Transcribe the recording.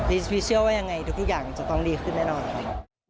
พี่เชื่อว่ายังไงทุกอย่างจะต้องดีขึ้นแน่นอนครับ